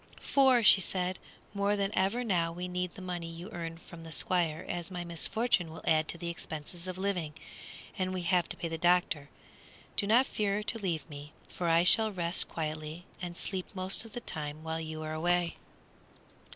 "For," said she, "more than ever now we need the money you earn from the Squire, as my misfortune will add to the expenses of living, and we have the doctor to pay. Do not fear to leave me, for I shall rest quietly and sleep most of the time while you are away."